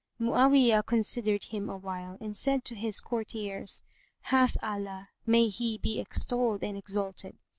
Mu'awiyah considered him awhile and said to his courtiers, "Hath Allah (may He be extolled and exalted!)